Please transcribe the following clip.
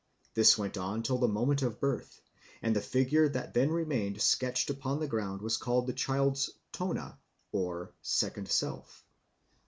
This went on till the moment of birth, and the figure that then remained sketched upon the ground was called the child's tona or second self.